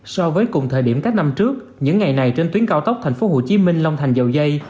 so với cùng thời điểm các năm trước những ngày này trên tuyến cao tốc thành phố hồ chí minh long thành dầu dây